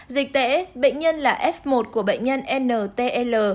dịch tễ bệnh nhân là f một của bệnh nhân ntl